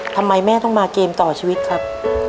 ทำไมแม่ต้องมาเกมต่อชีวิตครับ